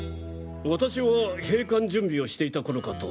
私は閉館準備をしていた頃かと。